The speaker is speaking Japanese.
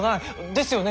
ですよね？